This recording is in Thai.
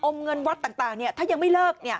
เงินวัดต่างถ้ายังไม่เลิก